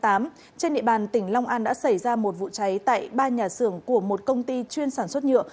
trên địa bàn tỉnh long an đã xảy ra một vụ cháy tại ba nhà xưởng của một công ty chuyên sản xuất nhựa